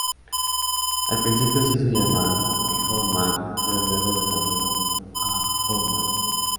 Al principio se hizo llamar The Hour-Man, pero luego lo cambió a Hourman.